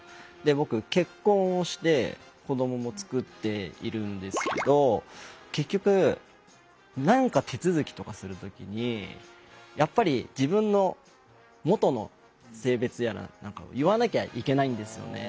僕結婚をして子どももつくっているんですけど結局何か手続きとかする時にやっぱり自分の元の性別やら何かを言わなきゃいけないんですよね。